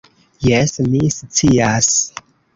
"Jes, mi scias."